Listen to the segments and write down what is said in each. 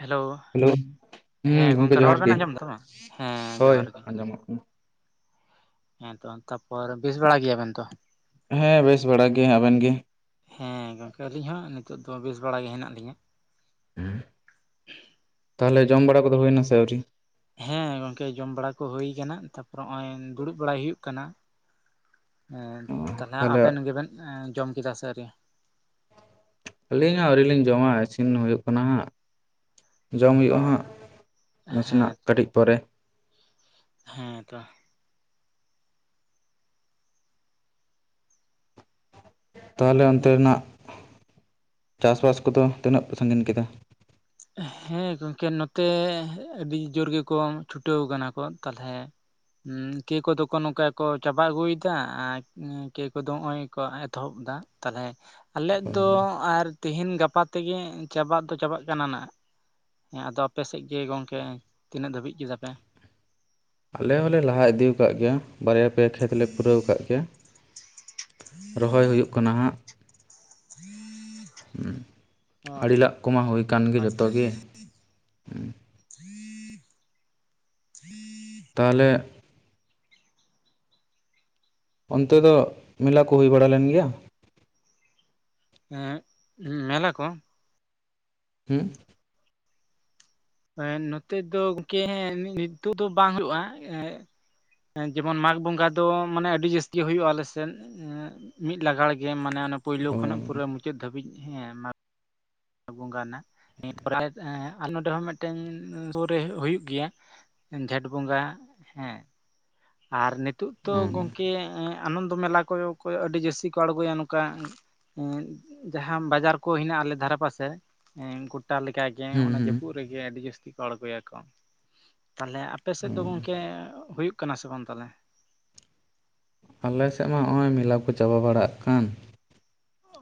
Hello, hello ᱦᱩᱸ ᱦᱮᱸ ᱜᱚᱝᱠᱮ ᱨᱚᱲ ᱡᱚᱦᱟᱨ ᱵᱮᱱ ᱜᱮ ᱟᱸᱡᱚᱢ ᱫᱟ [unintelligible] ᱵᱟᱝ? ᱦᱮᱸ ᱦᱳᱭ ᱡᱚᱦᱟᱨ ᱜᱮ, ᱟᱸᱡᱚᱢᱚᱜ ᱠᱟᱱᱟ ᱦᱮᱸᱛᱚ ᱛᱟᱯᱚᱨ ᱵᱮᱥ ᱵᱟᱲᱟ ᱜᱮᱭᱟᱵᱮᱱ ᱛᱚ? ᱦᱮᱸ ᱵᱮᱥ ᱵᱟᱲᱟ ᱜᱮ᱾ᱟᱵᱮᱱ ᱜᱮ? ᱦᱮᱸ ᱜᱚᱝᱠᱮ ᱟᱹᱞᱤᱧ ᱦᱚᱸ ᱱᱤᱛᱚᱜ ᱫᱚ ᱵᱮᱥ ᱵᱟᱲᱟ ᱜᱮ ᱦᱮᱱᱟᱜ ᱞᱤᱧᱟᱹ᱾ ᱦᱮ, ᱛᱟᱦᱚᱞᱮ ᱡᱚᱢ ᱵᱟᱲᱟ ᱠᱚᱫᱚ ᱦᱩᱭ ᱱᱟ ᱥᱮ ᱟᱹᱣᱨᱤ? ᱦᱮᱸ ᱜᱚᱝᱠᱮ ᱡᱚᱢ ᱵᱟᱲᱟ ᱠᱚ ᱦᱩᱭ ᱠᱟᱱᱟ ᱛᱟᱨᱯᱚᱨ ᱦᱚᱸᱜ-ᱚᱭ ᱫᱩᱲᱩᱵ ᱵᱟᱲᱟᱭ ᱦᱩᱭᱩᱜ ᱠᱟᱱᱟ᱾ ᱦᱮᱸ ᱛᱟᱦᱚᱞᱮ ᱟᱵᱮᱱ ᱜᱮᱵᱮᱱ ᱮᱸ ᱡᱚᱢ ᱠᱮᱫᱟ ᱥᱮ ᱟᱹᱣᱨᱤ? ᱟᱹᱞᱤᱧ ᱦᱚᱸ ᱟᱹᱣᱨᱤ ᱞᱤᱧ ᱡᱚᱢᱟ, ᱤᱥᱤᱱ ᱦᱩᱭᱩᱜ ᱠᱟᱱᱟ ᱦᱟᱸᱜ᱾ ᱡᱚᱢ ᱦᱩᱭᱩᱜ-ᱟ ᱦᱚᱸ ᱦᱟᱸᱜ ᱦᱮᱸ ᱱᱟᱥᱮᱱᱟᱜ ᱠᱟᱹᱴᱤᱜ ᱯᱚᱨᱮ᱾ ᱦᱮᱸ ᱛᱚ, ᱛᱟᱦᱚᱞᱮ ᱚᱱᱛᱮᱱᱟᱜ ᱪᱟᱥ ᱵᱟᱥ ᱠᱚᱫᱚ ᱛᱤᱱᱟᱹᱜ ᱯᱮ ᱥᱟᱺᱜᱤᱧ ᱠᱮᱫᱟ? ᱦᱮᱸ ᱜᱚᱝᱠᱮ ᱱᱚᱛᱮ ᱟᱹᱰᱤ ᱡᱳᱨ ᱜᱮᱠᱚ ᱪᱷᱩᱴᱟᱹᱣ ᱠᱟᱱᱟ ᱠᱚ ᱛᱟᱞᱦᱮ, ᱩᱸ ᱠᱮ ᱠᱚᱫᱚ ᱠᱚ ᱱᱚᱝᱠᱟ ᱠᱚ ᱪᱟᱵᱟ ᱟᱹᱜᱩᱭᱫᱟ ᱟᱨ ᱩᱸ ᱠᱮ ᱠᱚᱫᱚ ᱦᱚᱸᱜ-ᱚᱭ ᱠᱚ ᱮᱛᱚᱦᱚᱵ ᱫᱟ᱾ ᱛᱟᱦᱚᱞᱮ ᱟᱞᱮ ᱫᱚ ᱟᱨ ᱛᱮᱦᱮᱧ ᱜᱟᱯᱟ ᱛᱮᱜᱮ ᱪᱟᱵᱟᱜ ᱫᱚ ᱪᱟᱵᱟᱜ, ᱠᱟᱱᱟ ᱱᱟᱦᱟᱸᱜ ᱾ᱦᱮᱸ ᱟᱫᱚ ᱟᱯᱮ ᱥᱮᱜ ᱜᱮ ᱜᱚᱝᱠᱮ ᱛᱤᱱᱟᱹᱜ ᱫᱷᱟᱹᱵᱤᱜ ᱠᱮᱫᱟ ᱯᱮ? ᱟᱞᱮ ᱦᱚᱞᱮ ᱞᱟᱦᱟ ᱤᱫᱤᱣ ᱠᱟᱜ ᱜᱮᱭᱟ ᱵᱟᱨᱭᱟ ᱯᱮᱭᱟ ᱠᱷᱮᱛ ᱞᱮ ᱯᱩᱨᱟᱹᱣ ᱠᱟᱜ ᱜᱮᱭᱟ᱾ ᱨᱚᱦᱚᱭ ᱦᱩᱭᱩᱜ ᱠᱟᱱᱟ ᱦᱟᱸᱜ᱾ [inaudible] ᱩᱸ ᱚ ᱟᱹᱲᱤ ᱞᱟᱜ ᱠᱚᱢᱟ ᱦᱩᱭ, ᱠᱟᱱ ᱜᱮ ᱡᱚᱛᱚ ᱟᱪᱪᱷᱟ ᱜᱮ ᱟᱪᱪᱷᱟ, [inaudible] [inaudible] ᱛᱟᱦᱚᱞᱮ, ᱚᱱᱛᱮ ᱫᱚ ᱢᱮᱞᱟ ᱠᱚ ᱦᱩᱭ ᱵᱟᱲᱟ ᱞᱮᱱ ᱜᱮᱭᱟ? ᱦᱮᱸ ᱢᱮᱞᱟ ᱠᱚ᱾ ᱦᱩᱸ, ᱦᱮᱸ ᱱᱚᱛᱮ ᱫᱚ ᱜᱚᱝᱠᱮ ᱱᱤᱛᱚᱜ ᱫᱚ ᱵᱟᱝ ᱦᱩᱭᱩᱜ-ᱟ᱾ ᱮᱸ ᱮᱸ ᱡᱮᱢᱚᱱ ᱢᱟᱜᱽ ᱵᱚᱸᱜᱟ ᱫᱚ ᱢᱟᱱᱮ ᱟᱹᱰᱤ ᱡᱟᱹᱥᱛᱤ ᱦᱩᱭᱩᱜ-ᱟ ᱟᱞᱮᱥᱮᱱ᱾ ᱩᱸ ᱢᱤᱜ ᱞᱟᱜᱟᱲ ᱜᱮ ᱢᱟᱱᱮ ᱚᱱᱟ ᱯᱩᱭᱞᱩ ᱚ ᱠᱷᱚᱱᱟᱜ ᱯᱩᱨᱟᱹ ᱢᱩᱪᱟᱹᱫ ᱫᱷᱟᱹᱵᱤᱜ ᱦᱮᱸ᱾ ᱵᱚᱸᱜᱟ ᱱᱟᱜ ᱱᱤᱭᱟᱹᱯᱚᱨᱮ ᱟᱨ ᱟᱞᱮ ᱱᱚᱸᱰᱮ ᱦᱚᱸ ᱢᱤᱜᱴᱮᱱ ᱥᱩᱨ ᱨᱮ ᱦᱩᱭᱩᱜ ᱜᱮᱭᱟ᱾ ᱡᱷᱮᱸᱴ ᱵᱚᱸᱜᱟ ᱦᱮᱸ ᱟᱨ ᱱᱤᱛᱚᱜ ᱛᱚ ᱦᱩᱸ ᱜᱚᱝᱠᱮ ᱟᱸ, ᱟᱱᱚᱱᱫᱚ ᱢᱮᱞᱟ ᱠᱚᱜᱮ ᱠᱚ ᱟᱹᱰᱤ ᱡᱟᱹᱥᱛᱤ ᱠᱚ ᱟᱲᱜᱚᱭᱟ ᱱᱚᱝᱠᱟ, ᱮᱸ ᱡᱟᱸᱦᱟ ᱵᱟᱡᱟᱨ ᱠᱚ ᱦᱮᱱᱟᱜ-ᱟ ᱟᱞᱮ ᱫᱷᱟᱨᱮ ᱯᱟᱥᱮ ᱮᱸ ᱜᱚᱴᱟ ᱞᱮᱠᱟ ᱜᱮᱝ ᱦᱩᱸ ᱚᱱᱟ ᱦᱩᱸ ᱡᱟᱹᱯᱩᱫ, ᱨᱮᱜᱮ ᱟᱹᱰᱤ ᱡᱟᱹᱥᱛᱤ ᱠᱚ ᱟᱬᱜᱚᱭᱟᱠᱚ, ᱛᱟᱦᱚᱞᱮ ᱟᱯᱮ ᱥᱮᱫ ᱫᱚ ᱚ ᱜᱚᱝ ᱠᱮ ᱦᱩᱭᱩᱜ ᱠᱟᱱᱟ ᱥᱮ ᱵᱟᱝ ᱛᱟᱦᱚᱞᱮ᱾ ᱟᱞᱮᱥᱮᱫ ᱢᱟ ᱦᱚᱜ-ᱚᱭ ᱢᱮᱞᱟ ᱠᱚ ᱪᱟᱵᱟ ᱵᱟᱲᱟᱜ ᱠᱟᱱ᱾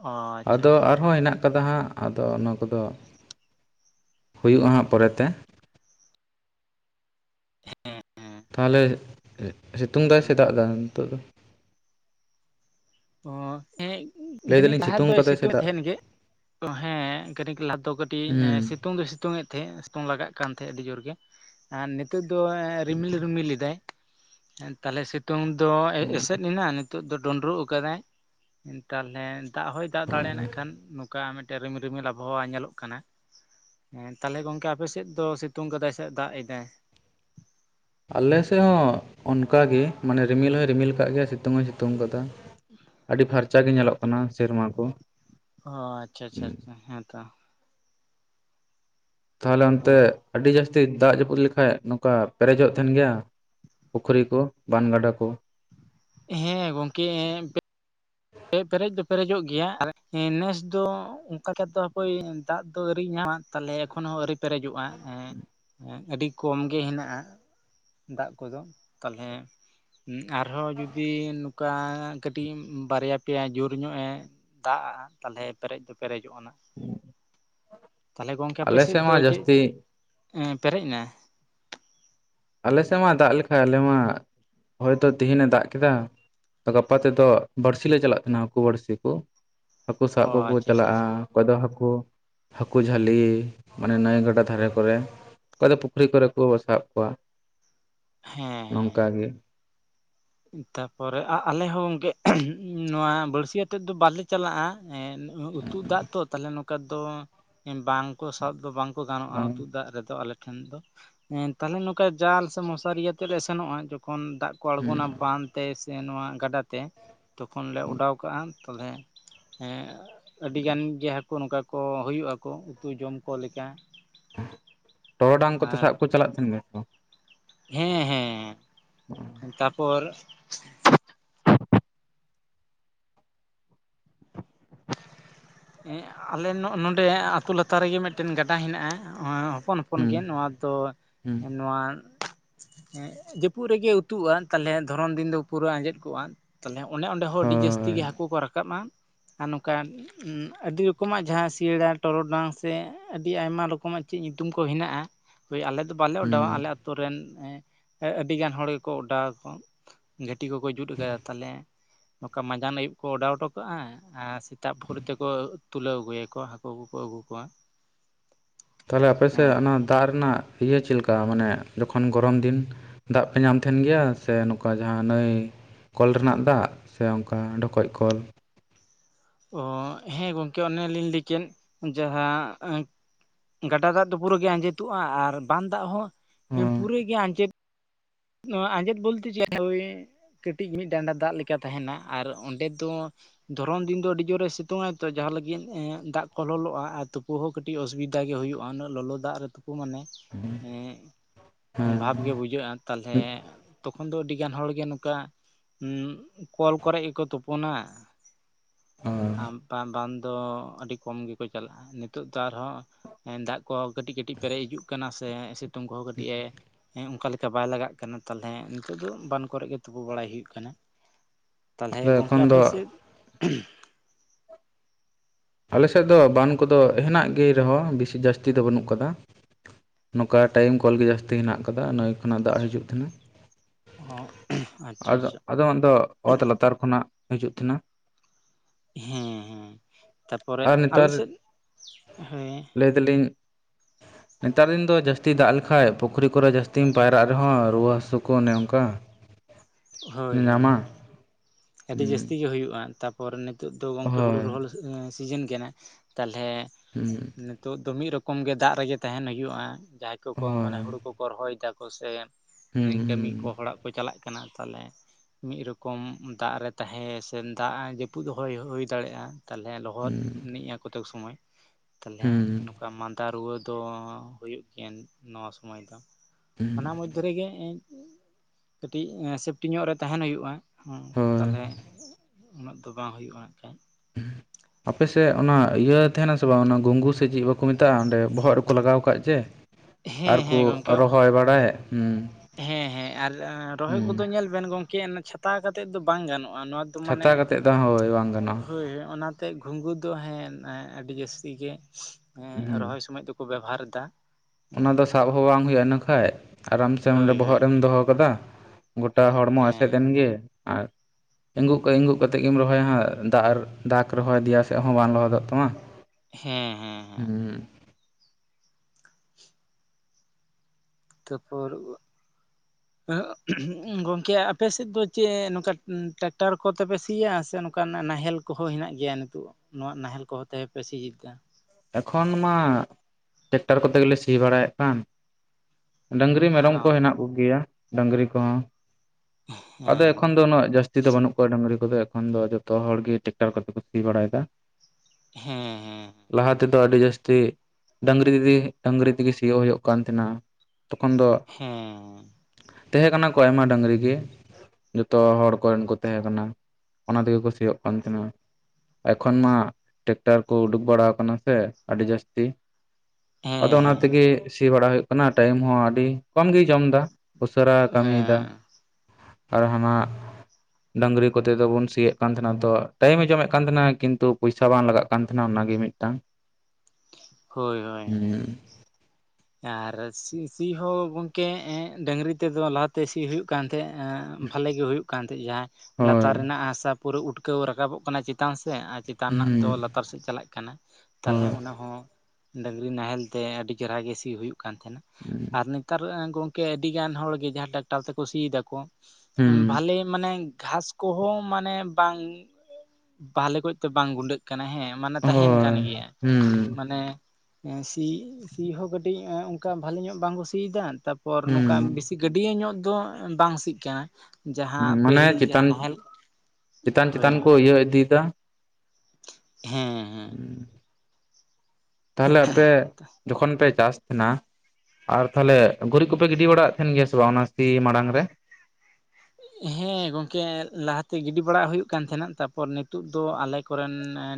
ᱚ ᱟᱪᱪᱷᱟ ᱟᱫᱚ ᱟᱪᱪᱷᱟ ᱟᱨᱦᱚᱸ ᱦᱮᱱᱟᱜ ᱠᱟᱫᱟ ᱦᱟᱜ᱾ ᱟᱫᱚ ᱚᱱᱟ ᱠᱚᱫᱚ ᱦᱩᱭᱩᱜ-ᱟ ᱦᱟᱜ ᱯᱚᱨᱮᱛᱮ᱾ ᱦᱮᱸ ᱦᱮᱸ ᱛᱟᱦᱚᱞᱮ ᱥᱤᱛᱩᱝ ᱮᱫᱟᱭ ᱥᱮ ᱫᱟᱜ ᱮᱫᱟ ᱱᱤᱛᱚᱜ ᱫᱚ? ᱚ ᱦᱮᱸ ᱞᱟᱹᱭ ᱜᱷᱟᱹᱱᱤᱠ ᱫᱟᱞᱤᱧ ᱞᱟᱦᱟ ᱫᱚᱭ ᱠᱟᱫᱟᱭ ᱥᱮ ᱥᱤᱛᱩᱝ ᱮᱫ ᱫᱟᱜ ᱛᱟᱦᱮᱱ ᱜᱮ ᱦᱮᱸ ᱜᱟᱹᱱᱤᱠ ᱞᱟᱦᱟ ᱫᱚ ᱠᱟᱹᱴᱤᱡ᱾ [inaudible] ᱮᱸ ᱦᱩᱸ ᱥᱤᱛᱩᱝ ᱫᱚᱭ ᱥᱤᱛᱩᱝ ᱮᱫ ᱛᱟᱦᱮᱜ ᱥᱤᱛᱩᱝ ᱞᱟᱜᱟᱜ ᱠᱟᱱ ᱛᱟᱦᱮᱜ ᱟᱹᱰᱤ ᱡᱳᱨ ᱜᱮ᱾ ᱟᱨ ᱱᱤᱛᱳᱜ ᱫᱚ ᱨᱤᱢᱤᱞ ᱨᱤᱢᱤᱞ ᱮᱫᱟᱭ᱾ ᱦᱮᱸ ᱛᱟᱦᱚᱞᱮ ᱥᱤᱛᱩᱝ ᱫᱚ ᱮᱥᱮᱫ ᱮᱱᱟ ᱱᱤᱛᱚᱜ ᱫᱚ ᱰᱩᱸᱰᱨᱩᱜ ᱠᱟᱫᱟᱭ, ᱛᱟᱦᱚᱞᱮ ᱫᱟᱜ ᱦᱚᱸᱭ ᱫᱟᱜ ᱦᱚᱭ ᱫᱟᱜ ᱫᱟᱲᱮᱭᱟᱜᱼᱟ ᱱᱟᱜ ᱠᱷᱟᱱ᱾ ᱚᱱᱠᱟ ᱢᱤᱫᱴᱮᱱ ᱨᱤᱢᱤᱞ ᱨᱤᱢᱤᱞ ᱟᱵᱚᱦᱟᱣᱟ ᱧᱮᱞᱚᱜ ᱠᱟᱱᱟ᱾ ᱦᱮᱸ ᱛᱟᱦᱚᱞᱮ ᱜᱚᱝᱠᱮ ᱟᱯᱮᱥᱮᱫ ᱫᱚ ᱥᱤᱛᱩᱝ ᱠᱟᱫᱟᱭ ᱥᱮ ᱫᱟᱜ ᱮᱫᱟᱭ? ᱟᱞᱮᱥᱮᱫ ᱦᱚᱸ ᱚᱱᱠᱟᱜᱮ, ᱢᱟᱱᱮ ᱨᱤᱢᱤᱞ ᱦᱚᱭ ᱨᱤᱢᱤᱞ ᱟᱠᱟᱫ ᱜᱮᱭᱟ ᱥᱤᱛᱩᱝ ᱦᱚᱭ ᱥᱤᱛᱩᱝ ᱠᱟᱫᱟ᱾ ᱟᱹᱰᱤ ᱯᱷᱟᱨᱪᱟ ᱜᱮ ᱧᱮᱞᱚᱜ ᱠᱟᱱᱟ ᱥᱮᱨᱢᱟ ᱠᱚ᱾ ᱠᱟ ᱛᱟᱦᱚᱞᱮ ᱚᱱᱛᱮ ᱟᱹᱰᱤ ᱡᱟᱹᱥᱛᱤ ᱫᱟᱜ ᱡᱟᱹᱯᱩᱫ ᱞᱮᱠᱷᱟᱡ ᱱᱚᱝᱠᱟ ᱯᱮᱨᱮᱡᱚᱜ ᱛᱟᱦᱮᱱ ᱜᱮᱭᱟ? ᱯᱩᱠᱷᱨᱤ ᱠᱚ ᱵᱟᱱ ᱜᱟᱰᱟ ᱠᱚ᱾ ᱦᱮᱸ ᱜᱚᱝᱠᱮ ᱯᱮ ᱯᱮᱨᱮᱡ ᱫᱚ ᱯᱮᱨᱮᱡᱚᱜ ᱜᱮᱭᱟ ᱟᱨ ᱱᱮᱥ ᱫᱚ ᱚᱱᱠᱟ ᱫᱚ ᱦᱟᱯᱚᱭ ᱫᱟᱜ ᱫᱚ ᱟᱹᱨᱤ ᱧᱟᱢᱟ ᱛᱟᱦᱚᱞᱮ ᱮᱠᱷᱚᱱ ᱦᱚᱸ ᱟᱹᱣᱨᱤ ᱯᱮᱨᱮᱡᱚᱜᱼᱟ᱾ ᱮᱜ ᱟᱹᱰᱤ ᱠᱚᱢ ᱜᱮ ᱦᱮᱱᱟᱜᱼᱟ ᱫᱟᱜ ᱠᱚᱫᱚ ᱛᱟᱞᱦᱮ ᱟᱨᱦᱚᱸ ᱡᱩᱫᱤ ᱱᱚᱝᱠᱟ ᱠᱟᱹᱴᱤᱡ ᱵᱟᱨᱭᱟ ᱯᱮᱭᱟ ᱡᱳᱨ ᱧᱚᱜ ᱮ ᱫᱟᱜ ᱟᱜᱼᱟ ᱛᱟᱦᱞᱮ ᱯᱮᱨᱮᱡ ᱫᱚ ᱯᱮᱨᱮᱡᱚᱜᱼᱟ ᱱᱟᱜ᱾ ᱛᱟᱦᱚᱞᱮ ᱜᱚᱝᱠᱮ ᱟᱯᱮ ᱟᱞᱮ ᱥᱮᱫ ᱫᱚ ᱢᱟ ᱪᱮᱫ ᱡᱟᱹᱥᱛᱤ ᱯᱮᱨᱮᱡ ᱮᱱᱟ? ᱟᱞᱮ ᱥᱮᱫ ᱢᱟ ᱫᱟᱜ ᱞᱮᱠᱷᱟᱡ ᱟᱞᱮ ᱢᱟ ᱦᱚᱭᱛᱚ ᱛᱤᱦᱤᱧᱮ ᱫᱟᱜ ᱠᱮᱫᱟ ᱜᱟᱯᱟ ᱛᱮᱫᱚ ᱵᱟᱹᱲᱥᱤ ᱞᱮ ᱪᱟᱞᱟᱜ ᱛᱟᱦᱮᱱᱟ, ᱦᱟᱹᱠᱩ ᱵᱟᱹᱲᱥᱤ ᱠᱚ, ᱦᱟᱹᱠᱩ ᱥᱟᱵ ᱚ ᱠᱚᱠᱚ ᱟᱪᱪᱷᱟ ᱟᱪᱪᱷᱟ ᱪᱟᱞᱟᱜᱼᱟ᱾ ᱟᱪᱪᱷᱟ ᱚᱠᱚᱭ ᱫᱚ ᱦᱟᱠᱩ ᱦᱟᱹᱠᱩ ᱡᱷᱟᱹᱞᱤ ᱢᱟᱱᱮ ᱱᱟᱹᱭ ᱜᱟᱰᱟ ᱫᱷᱟᱨᱮ ᱠᱚᱨᱮ, ᱚᱠᱚᱭ ᱫᱚ ᱯᱩᱠᱷᱨᱤ ᱠᱚᱨᱮ ᱠᱚ ᱥᱟᱵ ᱠᱚᱣᱟ᱾ ᱦᱮᱸ ᱱᱚᱝᱠᱟ ᱦᱮᱸ᱾ ᱜᱮ ᱛᱟᱯᱚᱨᱮ ᱟᱞᱮ ᱦᱚᱸ ᱜᱚᱢᱠᱮ ᱱᱚᱣᱟ ᱵᱟᱹᱲᱥᱤᱭᱟᱛᱮᱫ ᱫᱚ ᱵᱟᱞᱮ ᱪᱟᱞᱟᱜᱼᱟ᱾ ᱩᱛᱩᱜ ᱫᱟᱜ ᱛᱚ ᱛᱟᱦᱞᱮ ᱱᱚᱝᱠᱟ ᱫᱚ ᱵᱟᱝ ᱠᱚ ᱥᱟᱵ ᱫᱚ ᱵᱟᱝ ᱜᱟᱱᱚᱜᱼᱟ ᱟᱛᱩᱜ ᱫᱟᱜ ᱨᱮᱫᱚ ᱟᱞᱮ ᱴᱷᱮᱱ ᱫᱚ, ᱛᱟᱦᱞᱮ ᱱᱚᱝᱠᱟ ᱡᱟᱞ ᱥᱮ ᱢᱚᱥ ᱫᱚ ᱥᱟᱨᱤᱭᱟᱹ ᱛᱮ ᱞᱮ ᱥᱮᱱᱚᱜᱼᱟ ᱡᱚᱠᱷᱚᱱ ᱫᱟᱜ ᱠᱚ ᱟᱬᱜᱚᱱᱟ ᱵᱟᱸᱫᱷᱛᱮ ᱥᱮ ᱱᱚᱣᱟ ᱜᱟᱰᱟ ᱛᱮ᱾ ᱛᱚᱠᱷᱚᱱ ᱞᱮ ᱚᱰᱟᱣ ᱠᱟᱜᱼᱟ᱾ ᱛᱟᱞᱦᱮ ᱟᱹᱰᱤ ᱜᱟᱱ ᱜᱮ ᱦᱟᱹ ᱩᱱᱠᱩ ᱱᱚᱝᱠᱟ ᱠᱚ ᱦᱩᱭᱩᱜᱼᱟᱠᱚ ᱩᱛᱩ ᱡᱚᱢ ᱠᱚ ᱞᱮᱠᱟ᱾ ᱴᱚᱨᱚᱰᱟᱝ ᱠᱚᱛᱮ ᱟᱨ ᱥᱟᱵ ᱠᱚ ᱪᱟᱞᱟᱜ ᱛᱟᱦᱮᱱ ᱜᱮᱭᱟ ᱥᱮ ᱵᱟᱝ? ᱦᱮᱸ ᱦᱮᱸ᱾ ᱛᱟᱯᱚᱨ ᱟᱞᱮ ᱱᱚᱸᱰᱮ ᱟᱛᱳ ᱞᱟᱛᱟᱨ ᱨᱮᱜᱮ ᱢᱤᱫᱴᱮᱱ ᱜᱟᱰᱟ ᱦᱮᱱᱟᱜᱼᱟ, ᱦᱚᱯᱚᱱ ᱦᱚᱯᱚᱱ ᱦᱩᱸ ᱜᱮ ᱱᱚᱣᱟ ᱫᱚ ᱦᱩᱸ ᱱᱚᱣᱟ ᱦᱮᱸ ᱡᱟᱹᱯᱩᱫ ᱨᱮᱜᱮ ᱩᱛᱩᱜᱼᱟ ᱛᱟᱞᱦᱮ ᱫᱷᱚᱨᱚᱱ ᱫᱤᱱ ᱫᱚ ᱯᱩᱨᱟᱹ ᱟᱸᱡᱮᱫ ᱠᱚᱜᱼᱟ᱾ ᱛᱟᱦᱚᱞᱮ ᱚᱱᱮ ᱚᱸᱰᱮ ᱦᱚᱸ ᱟᱹᱰᱤ ᱡᱟᱹᱥᱛᱤ ᱦᱳᱭ ᱜᱮ ᱦᱟᱹᱠᱩ ᱠᱚ ᱨᱟᱠᱟᱵᱼᱟ᱾ ᱟᱨ ᱱᱚᱝᱠᱟ ᱟᱹᱰᱤ ᱨᱚᱠᱚᱢᱟᱜ ᱡᱟᱦᱟᱸ ᱥᱤᱭᱟᱹᱲᱟ ᱴᱚᱨᱚᱰᱟᱝ ᱥᱮ ᱟᱹᱰᱤ ᱟᱭᱢᱟ ᱨᱚᱠᱚᱢᱟᱜ ᱪᱮᱫ ᱧᱩᱛᱩᱢ ᱠᱚ ᱦᱮᱱᱟᱜᱼᱟ, ᱦᱳᱭ ᱟᱞᱮ ᱫᱚ ᱵᱟᱞᱮ ᱦᱩᱸ ᱚᱰᱟᱣᱟ, ᱟᱞᱮ ᱟᱹᱛᱩ ᱨᱮᱱ ᱟᱹᱰᱤᱜᱟᱱ ᱦᱚᱲ ᱜᱮᱠᱚ ᱚᱰᱟᱣ ᱟᱠᱚ᱾ ᱜᱷᱟᱴᱤ ᱠᱚᱠᱚ ᱡᱩᱛ ᱟᱠᱟᱫᱟ, ᱛᱟᱞᱦᱮ ᱱᱚᱝᱠᱟ ᱢᱟᱸᱡᱟᱱ ᱟᱹᱭᱩᱵ ᱠᱚ ᱚᱰᱟᱣ ᱦᱚᱴᱚ ᱠᱟᱜᱼᱟ ᱟᱨ ᱥᱮᱛᱟᱜ ᱵᱷᱳᱨ ᱛᱮᱠᱚ ᱛᱩᱞᱟᱹᱣ ᱟᱹᱜᱩᱭᱟᱠᱚ ᱦᱟᱹᱠᱩ ᱠᱚᱠᱚ ᱟᱹᱜᱩ ᱠᱚᱣᱟ᱾ ᱛᱟᱦᱚᱞᱮ ᱦᱮᱸ ᱟᱯᱮᱥᱮᱫ ᱚᱱᱟ ᱫᱟᱜ ᱨᱮᱱᱟᱜ ᱤᱭᱟᱹ ᱪᱮᱫ ᱞᱮᱠᱟ ᱢᱟᱱᱮ ᱡᱚᱠᱷᱚᱱ ᱜᱚᱨᱚᱢ ᱫᱤᱱ, ᱫᱟᱜ ᱯᱮ ᱧᱟᱢ ᱛᱟᱦᱮᱱ ᱜᱮᱭᱟ ᱥᱮ ᱱᱚᱝᱠᱟ ᱡᱟᱦᱟᱸ ᱱᱟᱹᱭ ᱠᱚᱞ ᱨᱮᱱᱟᱜ ᱫᱟᱜ ᱥᱮ ᱚᱱᱠᱟ ᱰᱷᱚᱠᱚᱡ ᱠᱚᱞ? ᱚ ᱦᱮᱸ ᱜᱚᱝᱠᱮ ᱚᱱᱮ ᱞᱤᱧ ᱞᱟᱹᱭ ᱠᱮᱫ ᱡᱟᱦᱟᱸ ᱜᱟᱰᱟ ᱫᱟᱜ ᱫᱚ ᱯᱩᱨᱟᱹ ᱜᱮ ᱟᱸᱡᱮᱛᱚᱜᱼᱟ, ᱟᱨ ᱵᱟᱸᱫ ᱫᱟᱜ ᱦᱚᱸ ᱦᱮᱸ ᱯᱩᱨᱟᱹ ᱜᱮ ᱟᱸᱡᱮᱛ ᱱᱚᱣᱟ ᱟᱸᱡᱮᱫ ᱵᱚᱞᱛᱮ ᱪᱮᱜ ᱳᱭ ᱠᱟᱹᱴᱤᱡ ᱢᱤᱫ ᱰᱟᱱᱰᱟ ᱫᱟᱜ ᱞᱮᱠᱟ ᱛᱟᱸᱦᱮᱱᱟ ᱟᱨ ᱚᱸᱰᱮ ᱫᱚ ᱫᱷᱚᱨᱚᱱ ᱫᱤᱱ ᱫᱚ ᱟᱹᱰᱤ ᱡᱳᱨᱮ ᱥᱤᱛᱩᱝ ᱟᱭ ᱛᱚ ᱡᱟᱸᱦᱟ ᱞᱟᱹᱜᱤᱫ ᱮᱸ ᱫᱟᱜ ᱠᱚ ᱞᱚᱞᱚᱜᱼᱟ ᱟᱨ ᱛᱩᱯᱩ ᱦᱚᱸ ᱠᱟᱹᱴᱤᱡ ᱴᱤᱡ ᱚᱥᱩᱵᱤᱫᱷᱟ ᱜᱮ ᱦᱩᱭᱩᱜᱼᱟ, ᱩᱱᱟᱹᱜ ᱞᱚᱞᱚ ᱫᱟᱜ ᱨᱮ ᱛᱩᱯᱩ ᱢᱟᱱᱮ ᱦᱩᱸ ᱦᱮᱸ ᱵᱷᱟᱵᱽ ᱜᱮ ᱵᱩᱡᱷᱟᱹᱜᱼᱟ ᱛᱟᱦᱚᱞᱮ ᱦᱩᱸᱜ ᱛᱚᱠᱷᱚᱱ ᱫᱚ ᱟᱹᱰᱤ ᱜᱟᱱ ᱦᱚᱲᱜᱮ ᱱᱚᱝᱠᱟ ᱠᱚᱞ ᱠᱚᱨᱮ ᱜᱮᱠᱚ ᱛᱩᱯᱩᱱᱟ ᱾ ᱚ ᱟᱨ ᱵᱟᱸᱫ ᱫᱚ ᱟᱹᱰᱤ ᱠᱚᱢ ᱜᱮᱠᱚ ᱪᱟᱞᱟᱜᱼᱟ, ᱱᱤᱛᱚᱜ ᱛᱚ ᱟᱨᱦᱚᱸ ᱫᱟᱜ ᱠᱚ ᱠᱟᱹᱴᱤᱡ ᱠᱟᱹᱴᱤᱡ ᱯᱮᱨᱮᱡ ᱦᱤᱡᱩᱜ ᱠᱟᱱᱟ ᱥᱮ ᱥᱤᱛᱩᱝ ᱠᱚᱦᱚᱸ ᱠᱟᱹᱴᱤᱡ ᱮ ᱚᱝᱠᱟᱞᱮ ᱠᱟ ᱵᱟᱭ ᱞᱟᱜᱟᱜ ᱠᱟᱱᱟ, ᱛᱟᱞᱚᱞᱮ ᱱᱤᱛᱚᱜ ᱫᱚ ᱵᱟᱸᱫ ᱠᱚᱨᱮ ᱜᱮ ᱛᱩᱯᱩ ᱵᱟᱲᱟᱭ ᱦᱩᱭᱩᱜ ᱠᱟᱱᱟ ᱾ ᱟᱫᱚ ᱛᱟᱦᱚᱞᱮ ᱜᱚᱝᱠᱮ ᱮᱠᱷᱚᱱ ᱫᱚ ᱟᱯᱮ ᱥᱮᱫ ᱟᱞᱮᱥᱮᱫ ᱫᱚ ᱵᱟᱱ ᱠᱚᱫᱚ ᱦᱮᱱᱟᱜ ᱜᱮ ᱨᱮᱦᱚᱸ ᱵᱮᱥᱤ ᱡᱟᱹᱥᱛᱤ ᱫᱚ ᱵᱟᱹᱱᱩᱜ ᱠᱟᱫᱟ ᱾ ᱱᱚᱝᱠᱟ ᱴᱟᱭᱤᱢ ᱠᱚᱞ ᱜᱮ ᱡᱟᱹᱥᱛᱤ ᱦᱮᱱᱟᱜ ᱟᱠᱟᱫᱟ, ᱱᱟᱹᱭ ᱠᱷᱚᱱᱟᱜ ᱫᱟᱜ ᱦᱤᱡᱩᱜ ᱛᱟᱦᱮᱸᱱᱟ ᱾ ᱚᱸ ᱟᱪᱪᱷᱟ ᱟᱫᱚ ᱟᱪᱪᱷᱟ ᱟᱫᱚ ᱫᱚ ᱚᱛ ᱞᱟᱛᱟᱨ ᱠᱷᱚᱱᱟᱜ ᱦᱤᱡᱩᱜ ᱛᱟᱸᱦᱮᱱᱟ ᱾ ᱦᱮᱸᱻ ᱦᱮᱸ ᱛᱟᱯᱚᱨᱮ ᱟᱨ ᱟᱞᱮ ᱱᱮᱛᱟᱨ ᱥᱮᱫ ᱦᱮᱸ ᱦᱳᱭ ᱞᱟᱹᱭ ᱫᱟᱞᱤᱧ ᱱᱮᱛᱟᱨ ᱫᱤᱱ ᱫᱚ ᱡᱟᱹᱥᱛᱤ ᱫᱟᱜ ᱞᱮᱠᱷᱟᱡ ᱯᱩᱠᱷᱨᱤ ᱠᱚᱨᱮ ᱡᱟᱹᱥᱛᱤᱢ ᱯᱟᱭᱨᱟᱜ ᱨᱮᱦᱚᱸ ᱨᱩᱣᱟᱹ ᱦᱟᱹᱥᱩ ᱠᱚ ᱚᱱᱮ ᱚᱝᱠᱟ, [inaudible] ᱦᱳᱭ ᱦᱳᱭ ᱦᱳᱭ ᱟᱹᱰᱤ ᱡᱟᱹᱥᱛᱤ ᱜᱮ ᱦᱩᱭᱩᱜᱼᱟ, ᱛᱟᱯᱚᱨᱮ ᱱᱤᱛᱚᱜ ᱫᱚ ᱦᱳᱭ ᱜᱚᱝᱠᱮ ᱦᱩᱲᱩ ᱦᱳᱭ ᱨᱚᱦᱚᱭ ᱥᱤᱡᱮᱱ ᱠᱟᱱᱟ, ᱛᱟᱦᱚᱞᱮ ᱦᱩᱸ ᱱᱤᱛᱚᱜ ᱫᱚ ᱢᱤᱫ ᱨᱚᱠᱚᱢ ᱜᱮ ᱫᱟᱜ ᱨᱮᱜᱮ ᱛᱟᱦᱮᱱ ᱦᱩᱭᱩᱜᱼᱟ, ᱡᱟᱦᱟᱸᱭ ᱠᱚᱠᱚ ᱦᱳᱭ ᱢᱟᱱᱮ ᱦᱳᱲᱳ ᱠᱚ ᱠᱚ ᱨᱚᱦᱚᱭ ᱫᱟᱠᱚ ᱥᱮ ᱦᱩᱸ ᱠᱟᱹᱢᱤ ᱠᱚ ᱦᱚᱲᱟᱜ ᱠᱚ ᱪᱟᱞᱟᱜ ᱠᱟᱱᱟ ᱾ ᱛᱟᱦᱚᱞᱮ ᱢᱤᱫ ᱨᱚᱠᱚᱢ ᱫᱟᱜ ᱨᱮ ᱛᱟᱦᱮᱸ ᱥᱮ ᱫᱟᱜ ᱡᱟᱹᱯᱩᱫ ᱦᱚᱭ ᱦᱩᱭ ᱫᱟᱲᱮᱜᱼᱟ᱾ ᱛᱟᱞᱦᱮ ᱞᱚᱦᱚᱫ ᱦᱩᱸ ᱮᱱᱤᱡᱼᱟ ᱠᱚᱛᱮᱠ ᱥᱚᱢᱚᱭ ᱛᱟᱞᱦᱮ ᱦᱩᱸ ᱦᱩᱸ ᱚᱱᱠᱟ ᱢᱟᱸᱫᱟ ᱨᱩᱣᱟᱹ ᱫᱚ ᱦᱩᱭᱩᱜ ᱜᱮᱭᱟ ᱱᱚᱣᱟ ᱥᱩᱢᱟᱹᱭ ᱫᱚ᱾ ᱦᱩᱸ ᱚᱱᱟ ᱢᱚᱫᱽᱫᱷᱮ ᱨᱮᱜᱮ ᱠᱟᱹᱴᱤᱡ ᱥᱮᱯᱴᱤ ᱧᱚᱜ ᱨᱮ ᱛᱟᱦᱮᱱ ᱦᱩᱭᱩᱜᱼᱟ ᱾ ᱦᱚᱸ ᱦᱳᱭ ᱛᱟᱞᱚᱞᱮ ᱩᱱᱟᱹᱜ ᱫᱚ ᱵᱟᱝ ᱦᱩᱭᱩᱜᱼᱟ ᱱᱟᱜ ᱠᱷᱟᱡ [unintelligible] ᱟᱯᱮ ᱥᱮᱫ ᱚᱱᱟ ᱤᱭᱟᱹ ᱛᱟᱦᱮᱱᱟ ᱥᱮ ᱵᱟᱝ ᱚᱱᱟ ᱜᱷᱩᱝᱜᱩ ᱥᱮ ᱪᱮᱫ ᱵᱟᱠᱚ ᱢᱮᱛᱟᱜᱼᱟ ᱚᱸᱰᱮ ᱵᱚᱦᱚᱜ ᱨᱮᱠᱚ ᱞᱟᱜᱟᱣ ᱠᱟᱜ ᱡᱮ᱾ ᱦᱮᱸ ᱟᱨᱠᱚ ᱦᱮᱸ ᱜᱚᱢᱠᱮ ᱨᱚᱦᱚᱭ ᱵᱟᱲᱟᱭᱮᱜ, ᱦᱩᱸ ᱦᱮᱸ ᱦᱮᱸ ᱟᱨ ᱨᱚᱦᱚᱭ ᱠᱚᱫᱚ ᱦᱩᱸ ᱧᱮᱞ ᱵᱮᱱ ᱜᱚᱝᱠᱮ ᱪᱷᱟᱛᱟ ᱠᱟᱛᱮᱫ ᱫᱚ ᱵᱟᱝ ᱜᱟᱱᱚᱜᱼᱟ᱾ ᱱᱚᱣᱟ ᱢᱟᱱᱮ ᱪᱷᱟᱛᱟ ᱠᱟᱛᱮᱫ ᱫᱚ ᱦᱳᱭ ᱵᱟᱝ ᱜᱟᱱᱚᱜᱼᱟ ᱦᱳᱭ ᱦᱳᱭ ᱚᱱᱟ ᱛᱮ ᱜᱷᱩᱝᱜᱩ ᱫᱚ ᱦᱮᱸ ᱟᱹᱰᱤ ᱡᱟᱹᱥᱛᱤ ᱜᱮ ᱦᱩᱸ ᱨᱚᱦᱚᱭ ᱥᱚᱢᱚᱭ ᱫᱚᱠᱚ ᱵᱮᱵᱚᱦᱟᱨ ᱮᱫᱟ᱾ ᱚᱱᱟ ᱦᱮᱸ ᱫᱚ ᱥᱟᱵ ᱦᱚᱸ ᱵᱟᱝ ᱦᱩᱭᱩᱜᱼᱟ ᱤᱱᱟᱹᱠᱷᱟᱡ ᱟᱨᱟᱢ ᱥᱮᱸ ᱟᱰᱮ ᱦᱳᱭ ᱦᱳᱭ ᱵᱚᱦᱚᱜ ᱨᱮᱢ ᱫᱚᱦᱚ ᱠᱟᱫᱟ, ᱜᱚᱴᱟ ᱦᱚᱲᱢᱚ ᱮᱥᱮᱫ ᱮᱱ ᱦᱮᱸ ᱜᱮ᱾ ᱟᱨ ᱮᱜᱩᱜ ᱮᱜᱩᱜ ᱠᱟᱛᱮᱫ ᱜᱮᱢ ᱨᱚᱦᱚᱭᱟ ᱦᱟᱸᱜ ᱫᱟᱜ ᱫᱟᱜ ᱨᱮᱦᱚᱭ ᱫᱮᱭᱟ ᱥᱮᱫ ᱦᱚᱸ ᱵᱟᱝ ᱞᱚᱦᱚᱫᱚᱜ ᱛᱟᱢᱟ᱾ [inaudible] ᱦᱮᱸ ᱦᱮᱸ ᱦᱮᱸ᱾ ᱦᱩᱸ ᱛᱟᱯᱚᱨ [inaudible] ᱜᱚᱝᱠᱮ ᱟᱯᱮ ᱥᱮᱫ ᱫᱚ ᱪᱮᱫ ᱱᱚᱝᱠᱟ ᱴᱮᱠᱴᱟᱨ ᱠᱚᱛᱮᱯᱮ ᱥᱤᱭᱟ ᱥᱮ ᱱᱚᱝᱠᱟᱱ ᱱᱟ ᱱᱟᱦᱮᱞ ᱠᱚᱦᱚᱸ ᱦᱮᱱᱟᱜ ᱜᱮᱭᱟ ᱱᱤᱛᱚᱜ ᱱᱚᱣᱟ ᱱᱟᱦᱮᱞ ᱠᱚᱦᱚᱸ ᱛᱮ ᱯᱮ ᱥᱤᱭ ᱮᱫᱟ᱾ ᱮᱠᱷᱚᱱ ᱢᱟ ᱴᱮᱠᱴᱟᱨ ᱠᱚᱛᱮ ᱜᱮᱞᱮ ᱥᱤ ᱵᱟᱲᱟᱭᱮᱫ ᱠᱟᱱ᱾ ᱰᱟᱹᱝᱨᱤ ᱢᱮᱨᱚᱢ ᱠᱚ ᱦᱚᱸ ᱦᱮᱱᱟᱜ ᱠᱚᱜᱮᱭᱟ ᱰᱟᱹᱝᱨᱤ ᱠᱚᱦᱚᱸ ᱾ ᱟᱫᱚ ᱦᱮᱸ ᱮᱠᱷᱚᱱ ᱫᱚ ᱩᱱᱟᱹᱜ ᱡᱟᱹᱥ ᱛᱤ ᱫᱚ ᱵᱟᱹᱱᱩᱜ ᱠᱚᱣᱟ ᱰᱟᱹᱝᱨᱤ ᱠᱚᱫᱚ ᱮᱠᱷᱚᱱ ᱫᱚ ᱡᱚᱛᱚ ᱦᱚᱲ ᱜᱮ ᱴᱮᱠᱴᱟᱨ ᱠᱚᱛᱮ ᱠᱚ ᱥᱤ ᱵᱟᱲᱟᱭᱮᱫᱟ᱾ ᱦᱮᱸ ᱦᱮᱸ᱾ ᱞᱟᱦᱟ ᱛᱮᱫᱚ ᱟᱹᱰᱤ ᱡᱟᱹᱥᱛᱤ ᱰᱟᱹᱝᱨᱤ ᱛᱮ ᱰᱟᱹᱝᱨᱤ ᱛᱮᱜᱮ ᱥᱤᱭᱳᱜ ᱦᱩᱭᱩᱜ ᱠᱟᱱ ᱛᱟᱦᱮᱱᱟ᱾ ᱛᱚᱠᱷᱚᱱ ᱫᱚ ᱦᱮᱸ ᱛᱟᱦᱮᱸ ᱠᱟᱱᱟ ᱠᱚ ᱟᱭᱢᱟ ᱰᱟᱹᱝᱨᱤ ᱜᱮ᱾ ᱡᱚᱛᱚ ᱦᱚᱲ ᱠᱚᱨᱮᱱ ᱠᱚ ᱛᱟᱦᱮᱸ ᱠᱟᱱᱟ ᱚᱱᱟ ᱛᱮᱜᱮ ᱠᱩ ᱥᱤᱭᱟᱜ ᱠᱟᱱ ᱛᱟᱦᱮᱸᱱᱟ᱾ ᱮᱠᱷᱚᱱ ᱢᱟ ᱴᱮᱠᱴᱟᱨ ᱠᱚ ᱩᱰᱩᱠ ᱵᱟᱲᱟ ᱠᱟᱱᱟ ᱥᱮ ᱟᱹᱰᱤ ᱡᱟᱹᱥᱛᱤ ᱟᱫᱚ ᱦᱮᱸ ᱚᱱᱟ ᱦᱮᱸ ᱛᱮᱜᱮ ᱥᱤ ᱵᱟᱲᱟ ᱦᱩᱭᱩᱜ ᱠᱟᱱᱟ ᱴᱟᱭᱤᱢ ᱦᱚᱸ ᱟᱹᱰᱤ ᱠᱚᱢ ᱜᱮᱭ ᱡᱚᱢ ᱮᱫᱟ ᱩᱥᱟᱹᱨᱟ ᱠᱟᱹᱢᱤᱭᱮᱫᱟ᱾ ᱦᱮᱸ ᱟᱨ ᱦᱟᱱᱟᱜᱼᱼ ᱰᱟᱹᱝᱨᱤ ᱠᱚᱛᱮ ᱫᱚ ᱵᱚᱱ ᱥᱤᱭᱮᱫ ᱠᱟᱱ ᱛᱟᱦᱮᱱᱟ ᱛᱚ ᱴᱟᱭᱤᱢᱮ ᱡᱚᱢᱮᱫ ᱠᱟᱱ ᱛᱟᱦᱮᱱᱟ, ᱠᱤᱱᱛᱩ ᱯᱚᱭᱥᱟ ᱵᱟᱝ ᱞᱟᱜᱟᱜ ᱠᱟᱱ ᱛᱟᱦᱮᱱᱟ ᱚᱱᱟ ᱜᱮ ᱢᱤᱫᱼᱼ ᱴᱟᱝᱼᱼ ᱦᱳᱭ ᱦᱳᱭ ᱟᱨ ᱥᱤ ᱥᱤ ᱦᱚᱸ ᱜᱚᱝᱠᱮ ᱮᱸᱜ ᱰᱟᱝᱨᱤ ᱛᱮᱫᱚ ᱞᱟᱛ ᱛᱮ ᱥᱤ ᱦᱩᱭᱩᱜ ᱠᱟᱱ ᱛᱟᱦᱮᱸᱫ, ᱮᱸᱜ ᱵᱷᱟᱞᱮ ᱜᱮ ᱦᱩᱭᱩᱜ ᱠᱟᱱ ᱛᱟᱦᱮᱸᱫ ᱡᱟᱦᱟᱸᱭ ᱦᱳᱭ ᱞᱟᱛᱟᱨ ᱨᱮᱱᱟᱜ ᱦᱟᱥᱟ ᱯᱩᱨᱟᱹ ᱩᱴᱠᱟᱹᱣ ᱨᱟᱠᱟᱵᱚᱜ ᱠᱟᱱᱟ ᱪᱮᱛᱟᱱ ᱥᱮ ᱟᱨ ᱪᱮᱛᱟᱱ ᱨᱮᱱᱟᱜ ᱦᱩᱸ ᱫᱚ ᱞᱟᱛ ᱛᱟᱨ ᱥᱮᱫ ᱪᱟᱞᱟᱜ ᱠᱟᱱᱟ ᱛᱟᱞᱚᱞᱮ ᱦᱳᱭ ᱚᱱᱟ ᱦᱚᱸ ᱰᱟᱹᱝᱨᱤ ᱱᱟᱦᱮᱞ ᱛᱮ ᱟᱹᱰᱤ ᱪᱮᱨᱦᱟ ᱜᱮ ᱥᱤ ᱦᱩᱭᱩᱜ ᱠᱟᱱ ᱛᱟᱦᱮᱱᱟ ᱦᱩᱸ ᱟᱨ ᱱᱮᱛᱟᱨ ᱜᱚᱝᱠᱮ ᱟᱹᱰᱤ ᱜᱟᱱ ᱦᱚᱲᱜᱮ ᱡᱟᱦᱟᱸ ᱴᱟᱠᱴᱟᱨ ᱛᱮᱠᱚ ᱥᱤᱭ ᱫᱟᱠᱚ ᱦᱩᱸ ᱵᱷᱟᱞᱮ ᱢᱟᱱᱮ ᱜᱷᱟᱥ ᱠᱚᱦᱚᱸ ᱢᱟᱱᱮ ᱵᱟᱝ ᱵᱷᱟᱞᱮ ᱠᱚᱡ ᱛᱮ ᱵᱟᱝ ᱜᱩᱸᱰᱟᱹᱜ ᱠᱟᱱᱟ ᱦᱮᱸ ᱢᱟᱱᱮ ᱛᱟᱦᱮᱱ ᱠᱟᱱ ᱦᱳᱭ ᱜᱮᱭᱟ, ᱦᱩᱸ ᱢᱟᱱᱮ ᱮᱸ ᱥᱤ ᱥᱤ ᱦᱚᱸ ᱠᱟᱹᱴᱤ ᱴᱤ ᱮᱸ ᱚᱝᱠᱟ ᱵᱷᱟᱞᱤ ᱧᱚᱜ ᱵᱟᱝ ᱠᱚ ᱥᱤ ᱭᱮᱫᱟ ᱛᱟᱯᱚᱨ ᱱᱚᱝᱠᱟ ᱵᱤᱥᱼᱼ ᱜᱟᱹᱰᱤᱭᱟᱹ ᱧᱚᱜ ᱫᱚ ᱵᱟᱝ ᱥᱤᱜ ᱠᱟᱱᱟ ᱦᱩᱸ ᱡᱟᱦᱟᱸ ᱢᱟᱱᱮ ᱯᱟᱹᱦᱤᱞ ᱪᱮᱛᱟᱱ ᱡᱟᱦᱟᱸ ᱱᱟᱦᱮᱞ, ᱪᱮᱛᱟᱱ ᱦᱳᱭ ᱪᱮᱛᱟᱱ ᱠᱚ ᱤᱭᱟᱹ ᱤᱫᱤᱭᱫᱟ ᱾ ᱦᱮᱸ ᱦᱮᱸ ᱦᱩᱸ ᱛᱟᱦᱚᱞᱮ ᱟᱯᱮ ᱡᱚᱠᱷᱚᱱ ᱯᱮ ᱪᱟᱥ ᱛᱟᱸᱦᱱᱮᱼᱟ, ᱟᱨ ᱛᱟᱦᱚᱞᱮ ᱜᱩᱨᱤᱡ ᱠᱚᱯᱮ ᱜᱤᱰᱤ ᱵᱟᱲᱟᱜ ᱛᱟᱦᱮᱱ ᱜᱮᱭᱟ ᱥᱮ ᱵᱟᱝ ᱚᱱᱟ ᱥᱤ ᱢᱟᱲᱟᱝ ᱨᱮ? ᱦᱮᱸ ᱜᱚᱝᱠᱮ ᱞᱟᱦᱟᱛᱮ ᱜᱤᱰᱤ ᱵᱟᱲᱟᱣᱟᱜ ᱦᱳᱭᱳᱜ ᱠᱟᱱ ᱛᱟᱦᱮᱸᱱᱟ ᱛᱟᱯᱚᱨ ᱱᱤᱛᱚᱜ ᱫᱚ ᱟᱞᱮ ᱠᱚᱨᱮᱱ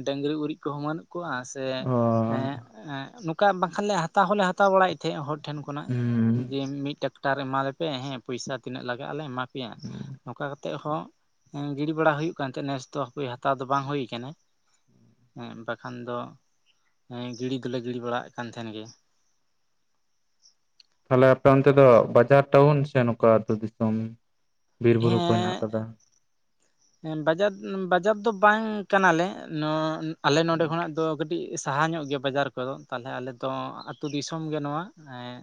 ᱰᱟᱹᱝᱨᱤ ᱩᱨᱤᱡ ᱠᱚᱦᱚᱸ ᱵᱟᱹᱱᱩᱜ ᱠᱚᱣᱟ ᱥᱮ ᱚ ᱮᱸᱜ ᱮᱸᱜ ᱱᱚᱠᱟ ᱵᱟᱠᱷᱟᱱ ᱞᱮ ᱦᱟᱛᱟᱣ ᱦᱚᱸᱞᱮ ᱦᱟᱛᱟᱣ ᱵᱟᱲᱟᱭᱮᱫ ᱛᱟᱦᱮᱸᱜ ᱦᱚᱲ ᱴᱷᱮᱱ ᱠᱷᱚᱱᱟᱜ ᱾ ᱦᱩᱸ ᱡᱮ ᱢᱤ ᱴᱟᱠᱴᱟᱨ ᱮᱢᱟᱞᱮᱯᱮ ᱦᱮᱸ ᱯᱚᱭᱥᱟ ᱛᱤᱱᱟᱹᱜ ᱞᱟᱜᱟᱜᱼᱟᱞᱮ ᱮᱢᱟ ᱯᱮᱭᱟ ᱱᱚᱝᱠᱟ ᱠᱟ ᱛᱮᱜ ᱦᱚᱸ ᱮᱸ ᱜᱤᱲᱤ ᱵᱟᱲᱟ ᱦᱩᱭᱩᱜ ᱠᱟᱱ ᱛᱟᱦᱮᱸ, ᱱᱮᱥ ᱫᱚ ᱦᱟᱯᱮ ᱦᱟᱛᱟᱣ ᱫᱚ ᱵᱟᱝ ᱦᱳᱭ ᱟᱠᱟᱱᱟ ᱾ ᱮᱸᱜ ᱵᱟᱠᱷᱟᱱ ᱫᱚ ᱦᱮᱸ ᱜᱤᱲᱤ ᱫᱚᱞᱮ ᱜᱤᱲᱤ ᱵᱟᱲᱟᱣᱟᱜ ᱠᱟᱱ ᱛᱟᱦᱮᱱ ᱜᱮ ᱾ ᱛᱟᱦᱞᱮ ᱟᱯᱮ ᱚᱱᱛᱮ ᱫᱚ ᱵᱟᱡᱟᱨ ᱴᱟᱣᱩᱱ ᱥᱮ ᱱᱚᱠᱟ ᱟᱹᱛᱩ ᱫᱤᱥᱚᱢ? ᱵᱤᱨ ᱵᱩᱨᱩ ᱠᱚ ᱦᱮᱱᱟᱜ ᱟᱠᱟᱫᱟ᱾ ᱮᱸ ᱵᱟᱡᱟᱫ ᱵᱟᱡᱟᱨ ᱫᱚ ᱵᱟᱝ ᱠᱟᱱᱟᱞᱮ ᱱᱚ ᱟᱞᱮ ᱱᱚᱰᱮ ᱠᱷᱚᱱᱟᱜ ᱫᱚ ᱠᱟ ᱴᱤ ᱥᱟᱦᱟ ᱧᱚᱜ ᱜᱮᱭᱟ ᱵᱟᱡᱟᱨ ᱠᱚᱫᱚ ᱛᱟᱦᱚᱞᱮ ᱟᱞᱮᱫᱚ ᱟᱹᱛᱩ ᱫᱤᱥᱚᱢᱜᱮ ᱱᱚᱣᱟ ᱮᱸ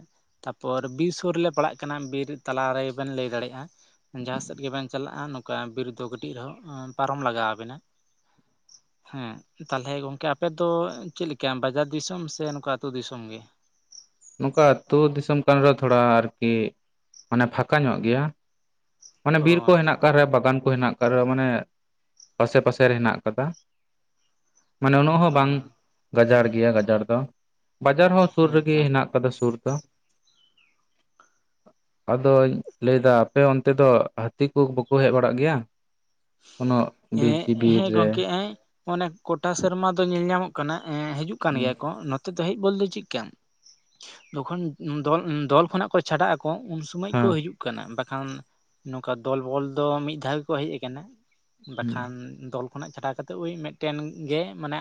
ᱛᱟᱯᱚᱨ ᱵᱤᱨ ᱥᱳᱨ ᱨᱮᱞᱮ ᱯᱟᱲᱟᱜ ᱠᱟᱱᱟ ᱵᱤᱨ ᱛᱟᱞᱟᱨᱮ ᱵᱮᱱ ᱞᱮᱭ ᱫᱟᱲᱮᱼᱟ ᱾ ᱡᱟᱦᱟᱸ ᱥᱮᱫ ᱜᱮᱵᱮᱱ ᱪᱟᱞᱟᱜᱼᱟ ᱱᱚᱝᱠᱟ ᱵᱤᱨ ᱫᱚ ᱠᱟᱹᱴᱤᱡ ᱨᱮᱦᱚᱸ ᱯᱟᱨᱚᱢ ᱞᱟᱜᱟᱣ ᱵᱮᱱᱟ᱾ ᱦᱮᱸ᱾ ᱛᱟᱞᱦᱮ ᱜᱚᱝᱠᱮ ᱟᱯᱮᱫᱚ ᱪᱮᱜᱞᱮᱠᱟ ᱵᱟᱡᱟᱨ ᱫᱤᱥᱚᱢ ᱥᱮ ᱱᱚᱝᱠᱟ ᱟᱹᱛᱩ ᱫᱤᱥᱚᱢ ᱜᱮ? ᱱᱚᱝᱠᱟ ᱟᱹᱛᱩ ᱫᱤᱥᱚᱢ ᱠᱟᱱ ᱨᱮᱦᱚᱸ ᱛᱷᱚᱲᱟ ᱟᱨᱠᱤ ᱢᱟᱱᱮ ᱯᱷᱟᱠᱟ ᱧᱚᱜ ᱜᱮᱭᱟ᱾ ᱢᱟᱱᱮ ᱚ ᱵᱤᱨ ᱠᱚ ᱟᱪᱪᱷᱟ ᱦᱮᱱᱟᱜ ᱟᱪᱪᱷᱟ ᱟᱠᱟᱫ ᱨᱮ ᱵᱟᱜᱟᱱ ᱠᱚ ᱦᱮᱱᱟᱜ ᱟᱠᱟᱫ ᱨᱮᱦᱚ ᱢᱟᱱᱮ, ᱟᱥᱮ ᱯᱟᱥᱮ ᱨᱮ ᱦᱮᱱᱟᱜ ᱟᱠᱟᱫᱟ᱾ ᱢᱟᱱᱮ ᱩᱱᱟᱹᱜ ᱦᱚᱸ ᱚ ᱵᱟᱝ ᱜᱟᱡᱟᱲ ᱜᱮᱭᱟ ᱜᱟᱡᱟᱲ ᱫᱚ᱾ ᱵᱟᱡᱟᱨ ᱦᱚᱸ ᱥᱩᱨ ᱦᱮᱸ ᱨᱮᱜᱮ ᱛᱚ ᱦᱮᱱᱟᱜ ᱠᱟᱫᱟ ᱥᱩᱨ ᱫᱚ᱾ ᱟᱫᱚᱧ ᱞᱟᱹᱭᱫᱟ ᱟᱯᱮ ᱚᱱᱛ ᱛᱮ ᱫᱚ ᱦᱟᱹᱛᱤ ᱠᱚ ᱵᱟᱠᱚ ᱦᱮᱡ ᱵᱟᱲᱟᱜ ᱜᱮᱭᱟ? ᱠᱳᱱᱳ ᱵᱤᱨ ᱦᱮᱸ ᱡᱤᱵ ᱵᱤᱨ ᱦᱮᱸ ᱨᱮ? ᱜᱚᱝᱠᱮ ᱚᱱᱮ ᱠᱚᱴᱟ ᱥᱮᱨᱢᱟ ᱫᱚ ᱧᱮᱞ ᱧᱟᱢᱚᱜ ᱠᱟᱱᱟ ᱮᱸ ᱦᱤᱡᱩᱜ ᱠᱟᱱ ᱦᱮᱸ ᱜᱮᱭᱟ ᱠᱚ ᱱᱚᱛᱼᱼ ᱛᱮ ᱫᱚ ᱦᱮᱡ ᱵᱚᱞ ᱫᱚ ᱪᱮᱫᱠᱟ ᱡᱚᱠᱷᱚᱱ ᱫᱚ ᱫᱚᱞ ᱠᱷᱚᱱᱟᱜ ᱠᱚ ᱪᱷᱟᱰᱟᱜ ᱟᱠᱚ ᱩᱱ ᱩᱱ ᱥᱩᱢᱟᱹᱡ ᱠᱚ ᱦᱤᱡᱩᱜ ᱠᱟᱱᱟ ᱵᱟᱠᱷᱟᱱ ᱱᱚᱝᱠᱟ ᱫᱚᱞ ᱵᱚᱞ ᱫᱚ ᱢᱤᱫ ᱫᱷᱟᱣ ᱜᱮᱠᱚ ᱦᱮᱡ ᱟᱠᱟᱱᱟ᱾ ᱵᱟᱠᱷᱟᱱ ᱫᱚᱞ ᱠᱷᱚᱱᱟᱜ ᱪᱷᱟᱴᱟᱣ ᱠᱟᱛᱮᱫ ᱩᱭ ᱢᱮᱫᱴᱮᱱ ᱜᱮ ᱢᱟᱱᱮ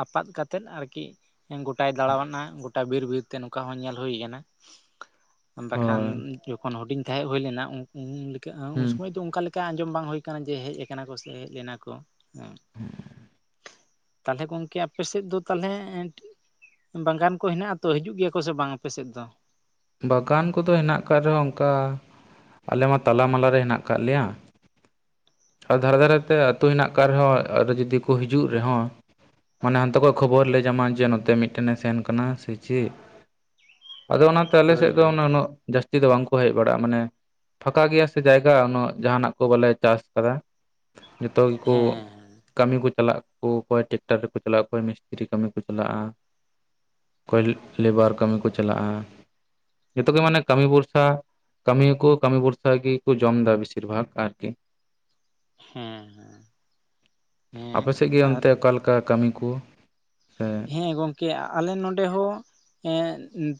ᱟᱼᱟᱯᱟᱫ ᱠᱟᱛᱮᱫ ᱟᱨᱠᱤ ᱜᱚᱴᱟᱭ ᱫᱟᱲᱱᱟ ᱜᱚᱴᱟ ᱵᱤᱨ ᱵᱤᱨ ᱛᱮ ᱱᱚᱝᱠᱟ ᱦᱚᱸ ᱧᱮᱞ ᱦᱩᱭ ᱟᱠᱟᱱᱟ᱾ [inaudible] ᱵᱟᱠᱷᱟᱱ ᱦᱳᱭ ᱡᱚᱠᱷᱚᱱ ᱦᱩᱰᱤᱧ ᱛᱟᱦᱮ ᱦᱩᱭᱞᱮᱱᱟ ᱩᱼᱩᱱ ᱞᱮᱠᱟ ᱩᱱ ᱦᱩᱸ ᱥᱚᱢᱚᱭ ᱫᱚ ᱚᱱᱠᱟ ᱞᱮᱠᱟ ᱟᱸᱡᱚᱢ ᱵᱟᱝ ᱦᱳᱭ ᱠᱟᱱᱟ ᱡᱮ ᱦᱮᱡ ᱟᱠᱟᱱᱟ ᱠᱚ ᱥᱮ ᱦᱮᱡ ᱞᱮᱱᱟ ᱠᱚ᱾ [inaudible] ᱛᱟᱦᱞᱮ ᱜᱚᱝᱠᱮ ᱟᱯᱮ ᱥᱮᱫ ᱫᱚ ᱛᱟᱦᱞᱮ ᱵᱟᱜᱟᱱ ᱠᱚ ᱦᱮᱱᱟᱜᱼᱟ ᱛᱚ ᱦᱤᱡᱩᱜ ᱜᱮᱭᱟ ᱠᱚ ᱥᱮ ᱵᱟᱝ ᱟᱯᱮᱥᱮᱫ ᱫᱚ? ᱵᱟᱜᱟᱱ ᱠᱚᱫᱚ ᱦᱮᱱᱟᱜ ᱟᱠᱟᱫ ᱨᱮᱦᱚᱸ ᱚᱱᱠᱟ ᱟᱞᱮᱢᱟ ᱛᱟᱞᱟ ᱢᱟᱞᱟ ᱨᱮ ᱦᱮᱱᱟᱜ ᱟᱠᱟᱫ ᱞᱮᱭᱟ᱾ ᱟᱨ ᱫᱷᱟᱨᱮ ᱫᱷᱟᱨᱮᱛᱮ ᱟᱹᱛᱩ ᱦᱮᱱᱟᱜ ᱟᱠᱟᱫ ᱨᱮᱦᱚᱸ ᱟᱨ ᱡᱩᱫᱤ ᱠᱚ ᱦᱤᱡᱩᱜ ᱨᱮᱦᱚᱸ ᱢᱟᱱᱮ ᱦᱟᱱᱛᱮ ᱠᱷᱚᱱ ᱠᱷᱚᱵᱚᱨ ᱞᱮ ᱧᱟᱢᱟ ᱡᱮ ᱱᱚᱛᱮ ᱢᱤᱫᱴᱮᱱᱮ ᱥᱮᱱ ᱠᱟᱱᱟ ᱪᱮᱫ᱾ ᱟᱫᱚ ᱚᱱᱟᱛᱮ ᱟᱞᱮ ᱦᱳᱭ ᱥᱮᱫ ᱫᱚ ᱦᱳᱭ ᱩᱱᱟᱹᱜ ᱡᱟᱥ ᱛᱤ ᱫᱚ ᱵᱟᱝ ᱠᱚ ᱦᱮᱡ ᱵᱟᱲᱟᱜᱼᱟ, ᱢᱟᱱᱮ ᱯᱷᱟᱸᱠᱟ ᱜᱮᱭᱟ ᱥᱮ ᱡᱟᱭᱜᱟ ᱩᱱᱟᱹᱜ ᱡᱟᱦᱱᱟᱜ ᱠᱚ ᱵᱟᱞᱮ ᱪᱟᱥ ᱟᱠᱟᱫᱟ᱾ ᱡᱚᱛᱚ ᱜᱮᱠᱚ ᱦᱮᱸ ᱠᱟᱹᱢᱤ ᱠᱚ ᱪᱟᱞᱟᱜ ᱠᱚ ᱚᱠᱚᱭ ᱴᱮᱠᱴᱟᱨ ᱨᱮᱠᱚ ᱪᱟᱞᱟᱜ ᱚᱠᱚᱭ ᱢᱤᱥᱛᱨᱤ ᱠᱟᱹᱢᱤ ᱠᱚ ᱪᱟᱞᱟᱜᱼᱟ᱾ ᱚᱠᱚᱭ ᱞᱮᱵᱟᱨ ᱠᱟᱹᱢᱤ ᱠᱚ ᱪᱟᱞᱟᱜᱼᱟ, ᱡᱚᱛᱚᱜ ᱜᱮ ᱢᱟᱱᱮ ᱠᱟᱹᱢᱤ ᱵᱷᱚᱨᱥᱟ ᱠᱟᱹᱢᱤᱭᱟᱠᱚ ᱠᱟᱹᱢᱤ ᱵᱷᱚᱨᱥᱟ ᱜᱮᱠᱚ ᱡᱚᱢ ᱮᱫᱟ ᱵᱮᱥᱤᱨ ᱵᱷᱟᱜ ᱟᱨᱠᱤ᱾ ᱦᱮᱸ ᱦᱮᱸ᱾ ᱦᱮᱸ ᱟᱯᱮ ᱥᱮᱫ ᱜᱮ ᱟᱨ ᱚᱱᱛᱮ ᱚᱠᱟᱞᱮᱠᱟ ᱠᱟᱹᱢᱤ ᱠᱚ ᱥᱮ ᱦᱮᱸ ᱜᱚᱝᱠᱮ ᱟᱞᱮ ᱱᱚᱰᱮ ᱦᱚᱸ ᱮᱜᱸ